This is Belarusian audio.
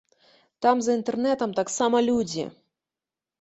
Там за інтэрнэтам таксама людзі!